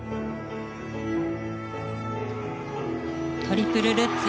トリプルルッツ。